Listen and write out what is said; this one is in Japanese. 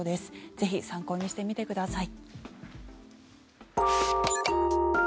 ぜひ参考にしてみてください。